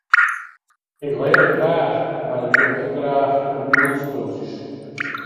Ik lês graach mar ik doch ek graach kompjûterspultsjes.